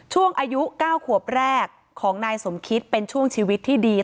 ช่วงอายุ๙ขวบแรกของนายสมคิตเป็นช่วงชีวิตที่ดี